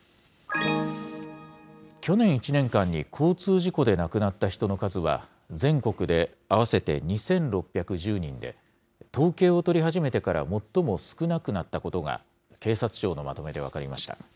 去年１年間に交通事故で亡くなった人の数は全国で合わせて２６１０人で、統計を取り始めてから最も少なくなったことが警察庁のまとめで分かりました。